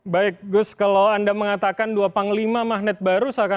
baik gus kalau anda mengatakan dua panglima magnet baru